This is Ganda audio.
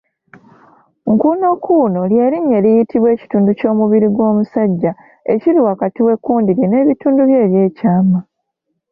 Nkuunokuuno ly'erinnya eriyitibwa ekitundu ky’omubiri gw’omusajja ekiri wakati w’ekkundi lye n’ebitundu bye eby’ekyama.